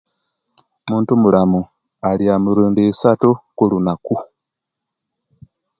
Omuntu omulamu alya emirundi isatu kulunaku